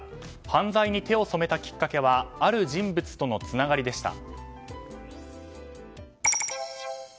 犯罪に手を染めたきっかけはある人物とのつながりでした。